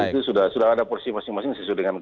itu sudah ada porsi masing masing